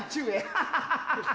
ハハハハ！